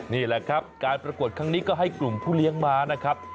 นี่แหละครับการประกวดครั้งนี้ก็ให้กลุ่มผู้เลี้ยงม้านะครับ